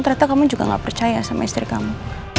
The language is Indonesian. ternyata kamu juga nggak percaya sama istri kamu